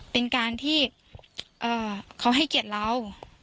เป็นการที่เขาให้เกียรติเรา